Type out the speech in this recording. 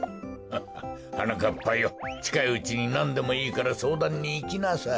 はなかっぱよちかいうちになんでもいいからそうだんにいきなさい。